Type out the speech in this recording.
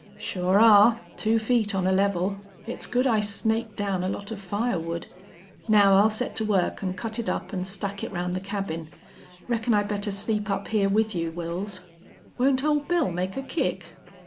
"Sure are. Two feet on a level. It's good I snaked down a lot of fire wood. Now I'll set to work an' cut it up an' stack it round the cabin. Reckon I'd better sleep up here with you, Wils." "Won't Old Bill make a kick?"